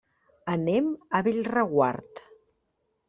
Anem a Bellreguard.